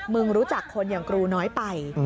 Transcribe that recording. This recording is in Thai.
รู้จักคนอย่างกูน้อยไป